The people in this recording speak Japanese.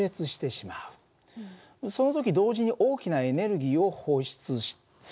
その時同時に大きなエネルギーを放出するものがある。